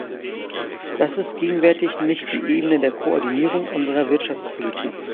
Das ist gegenwärtig nicht die Ebene der Koordinierung unserer Wirtschaftspolitik.